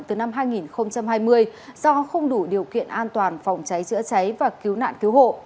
từ năm hai nghìn hai mươi do không đủ điều kiện an toàn phòng cháy chữa cháy và cứu nạn cứu hộ